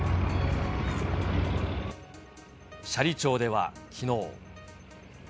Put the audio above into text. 斜里町ではきのう。